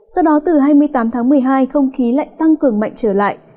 sau đó từ hai mươi tám tháng một mươi hai không khí lạnh tăng cường mạnh trở lại